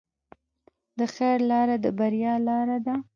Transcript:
د خیر لاره د بریا لاره ده.